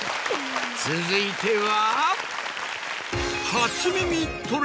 続いては。